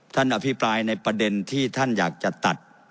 อภิปรายในประเด็นที่ท่านอยากจะตัด